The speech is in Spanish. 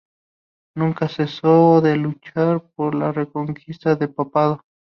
Nunca cesó de luchar por reconquistar el Papado.